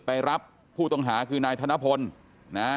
ไปรับผู้ต้องหาคือนายธนพลนะฮะ